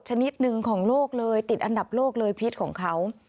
ชนิดหนึ่งของโลกเลยติดอันดับโลกเลยพิษของเขา